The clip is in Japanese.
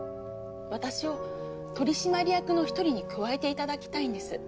私を取締役の一人に加えていただきたいんです。